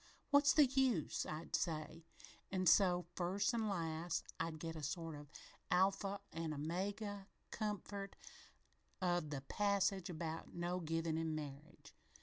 What's the use?' I'd say, an' so, first an' last, I'd get a sort o' alpha an' omega comfort out o' the passage about no givin' in marriage.